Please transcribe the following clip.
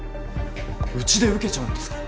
うちで受けちゃうんですか？